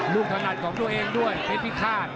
ลูกธนัดของตัวเองด้วยเผ็ดพิฆาต